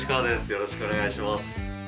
よろしくお願いします。